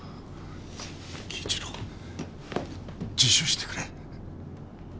輝一郎自首してくれ。